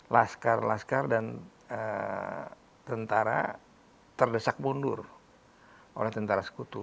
laskar laskar dan tentara terdesak mundur oleh tentara sekutu